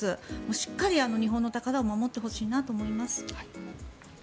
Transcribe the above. しっかり日本の宝を守ってほしいなと思います。